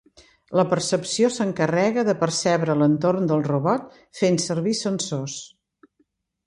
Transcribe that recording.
La percepció s'encarrega de percebre l'entorn del robot fent servir sensors.